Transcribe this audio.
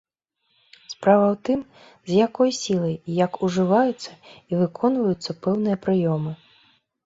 Справа ў тым, з якой сілай, як ужываюцца і выконваюцца пэўныя прыёмы.